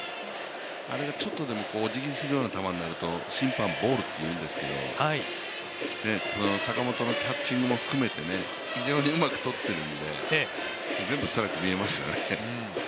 あれがちょっとでもおじぎするようなボールになると審判ボールって言うんですけど坂本のキャッチングも含めて非常にうまく取っているので、全部ストライクに見えますよね。